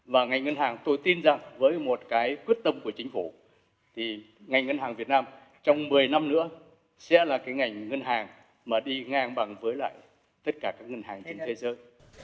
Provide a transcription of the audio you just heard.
và ngành ngân hàng tôi tin rằng với một cái quyết tâm của chính phủ thì ngành ngân hàng việt nam trong một mươi năm nữa sẽ là cái ngành ngân hàng mà đi ngang bằng với lại tất cả các ngân hàng trên thế giới